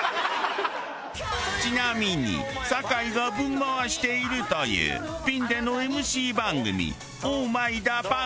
ちなみに酒井がぶん回しているというピンでのＭＣ番組『ＯＨ！